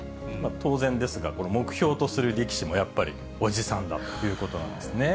当然ですが、目標とする力士も、やっぱり叔父さんだということなんですね。